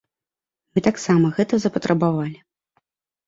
Мы таксама гэта запатрабавалі.